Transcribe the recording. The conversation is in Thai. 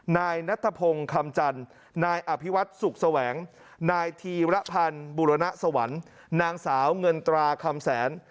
นายนัทพงศ์คำจันทร์นายอภิวัตสุขแสวงนายธีรพันธ์บุรณสวรรค์นางสาวเงินตราคำแสน